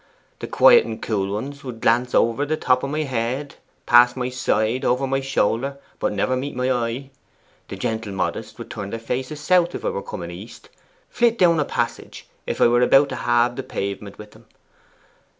The quiet and cool ones would glance over the top of my head, past my side, over my shoulder, but never meet my eye. The gentle modest would turn their faces south if I were coming east, flit down a passage if I were about to halve the pavement with them.